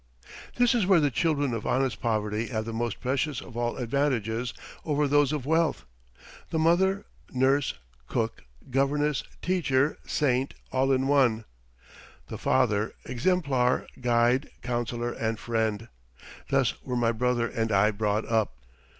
This is where the children of honest poverty have the most precious of all advantages over those of wealth. The mother, nurse, cook, governess, teacher, saint, all in one; the father, exemplar, guide, counselor, and friend! Thus were my brother and I brought up.